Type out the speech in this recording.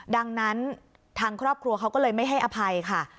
ดังนั้นทางครอบครัวเขาก็เลยไม่ให้อภัยค่ะ